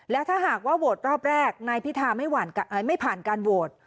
และถ้าหากว่าโหวตรอบแรกนายพิธาไม่ผ่านการโหวต